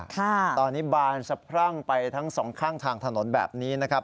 ค่ะตอนนี้บานสะพรั่งไปทั้งสองข้างทางถนนแบบนี้นะครับ